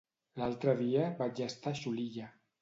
L'altre dia vaig estar a Xulilla.